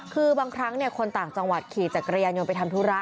คือบางครั้งคนต่างจังหวัดขี่จักรยานยนต์ไปทำธุระ